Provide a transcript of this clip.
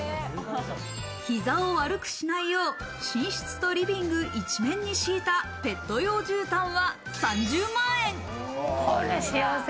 膝を悪くしないよう寝室とリビング一面に敷いたペット用絨毯は３０万円。